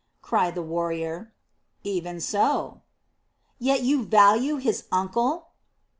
cried the warrior. "Even so." "Yet you value his uncle?"